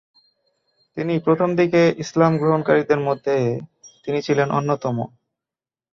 তিনি প্রথমদিকে ইসলাম গ্রহণকারীদের মধ্যে তিনি ছিলেন অন্যতম।